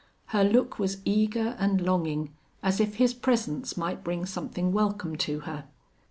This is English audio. Her look was eager and longing, as if his presence might bring something welcome to her.